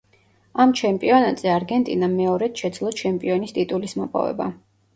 ამ ჩემპიონატზე არგენტინამ მეორედ შეძლო ჩემპიონის ტიტულის მოპოვება.